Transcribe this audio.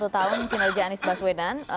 satu tahun kinerja anies baswedan